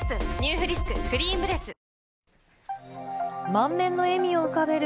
満面の笑みを浮かべる